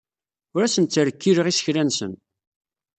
Ur asen-ttrekkileɣ isekla-nsen.